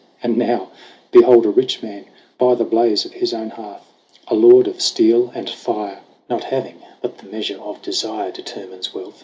And now behold a rich man by the blaze Of his own hearth a lord of steel and fire ! THE CRAWL 87 Not having, but the measure of desire Determines wealth.